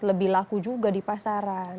lebih laku juga di pasaran